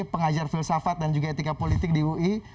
pengajar filsafat dan juga etika politik di ui